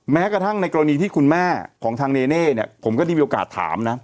แม้กระทั่งในกรณีที่คุณแม่ของทางเนเน่เนี่ยผมก็ได้มีโอกาสถามนะ